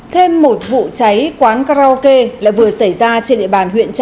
thêm một vụ cháy quán karaoke lại vừa xảy ra trên địa bàn huyện trảng